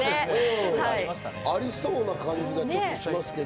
ありそうな感じがちょっとしますけど。